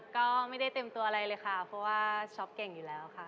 ก็ไม่ได้เต็มตัวอะไรเลยค่ะเพราะว่าช็อปเก่งอยู่แล้วค่ะ